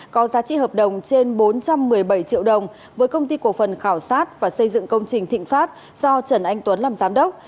có giá trị hợp đồng trên bốn trăm một mươi bảy triệu đồng với công ty cổ phần khảo sát và xây dựng công trình thịnh pháp do trần anh tuấn làm giám đốc